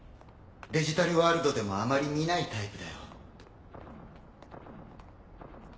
デジタルワールドでもあまり見ないタイプだよ。